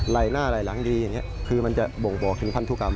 ไหล่หน้าไหล่หลังดีอย่างนี้คือมันจะบ่งบอกถึงพันธุกรรม